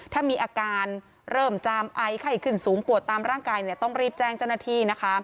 ถ้ามีอาการเริ่มจามไอไข้ขึ้นสูงปวดตามร่างกายต้องรีบแจ้งเจ้าหน้าที่นะคะ